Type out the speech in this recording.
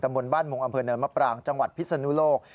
บนบ้านมุงอำเภอเนินมะปรางจังหวัดพิศนุโลก